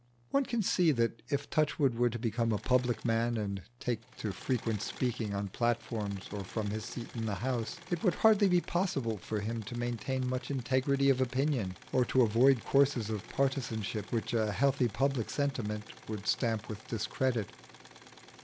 One can see that if Touchwood were to become a public man and take to frequent speaking on platforms or from his seat in the House, it would hardly be possible for him to maintain much integrity of opinion, or to avoid courses of partisanship which a healthy public sentiment would stamp with discredit.